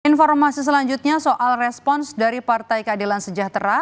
informasi selanjutnya soal respons dari partai keadilan sejahtera